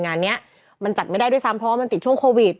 งานนี้มันจัดไม่ได้ด้วยซ้ำเพราะว่ามันติดช่วงโควิด